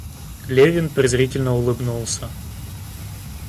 Левин презрительно улыбнулся.